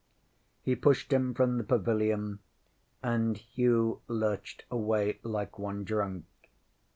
ŌĆØ He pushed him from the pavilion, and Hugh lurched away like one drunk.